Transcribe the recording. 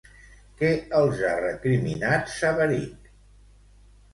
Què els ha recriminat Sabarich?